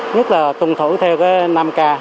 nhất là tuân thủ theo năm k